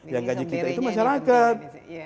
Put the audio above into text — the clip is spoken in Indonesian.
yang gaji kita itu masyarakat